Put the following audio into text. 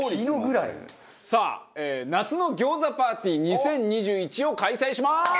さあ夏の餃子パーティー２０２１を開催します！